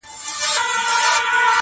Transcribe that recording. یوه ورځ پر یوه لوی مار وو ختلی.!